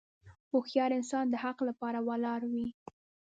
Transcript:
هوښیار انسان د حق لپاره ولاړ وي.